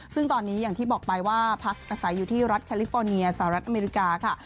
ซึ่งตอนนี้อย่างที่บอกไปว่าพักอาศัยอยู่ที่รัฐแคลิฟอร์เนียสหรัฐอเมริกาค่ะ